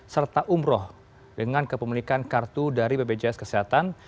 serta umroh dengan kepemilikan kartu dari bpjs kesehatan